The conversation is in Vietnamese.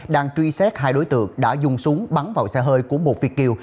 đang truy xét hai đối tượng đã dùng súng bắn vào xe hơi của một việt kiều